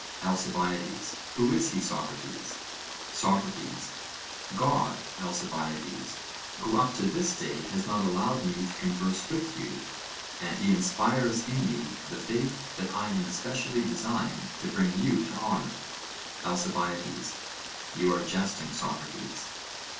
ALCIBIADES: Who is he, Socrates? SOCRATES: God, Alcibiades, who up to this day has not allowed me to converse with you; and he inspires in me the faith that I am especially designed to bring you to honour. ALCIBIADES: You are jesting, Socrates.